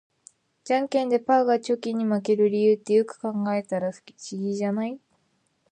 ジャンケンでパーがチョキに負ける理由って、よく考えたら不思議じゃない？